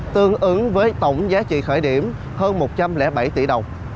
tương ứng với tổng giá trị khởi điểm hơn một trăm linh bảy tỷ đồng